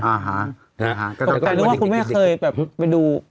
ค่ะคุณแม่เคยไปดู